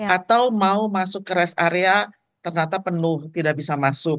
atau mau masuk ke rest area ternyata penuh tidak bisa masuk